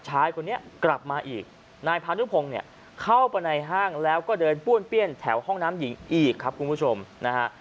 ชายคนนี้กลับมาอีกนายพานุพงศ์เนี่ยเข้าไปในห้างแล้วก็เดินป้วนเปี้ยนแถวห้องน้ำหญิงอีกครับคุณผู้ชมนะฮะ